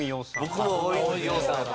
僕も大泉洋さんやと。